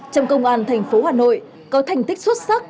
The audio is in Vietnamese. trong công an thành phố hà nội có thành tích xuất sắc